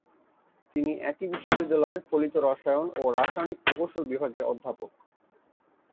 তিনি একই বিশ্ববিদ্যালয়ের ফলিত রসায়ন ও রাসায়নিক প্রকৌশল বিভাগের অধ্যাপক।